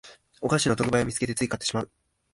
お菓子の特売を見つけてつい買ってしまう